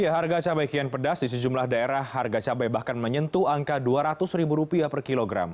harga cabai kian pedas di sejumlah daerah harga cabai bahkan menyentuh angka dua ratus ribu rupiah per kilogram